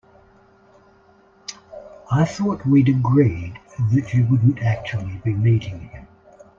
I thought we'd agreed that you wouldn't actually be meeting him?